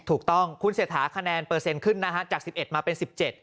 ถูกต้องคุณเศรษฐาคะแนนเปอร์เซ็นต์ขึ้นนะฮะจาก๑๑มาเป็น๑๗